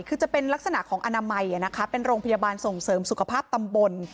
คือจะเป็นลักษณะของอนามัยเป็นโรงพยาบาลส่งเสริมสุขภาพตำบล